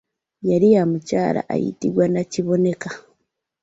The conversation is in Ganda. Yali ya mukyala ayitibwa Nakiboneka.